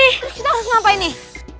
kita harus ngapain nih